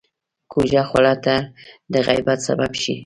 کوږه خوله تل د غیبت سبب شي